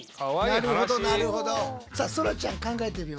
なるほどなるほど。